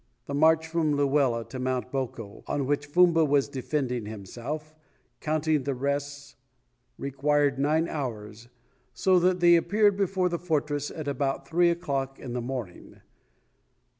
The march from Luela to Mount Boko, on which Fumba was defending himself, counting the rests, required nine hours, so that they appeared before the fortress at about three o'clock in the morning.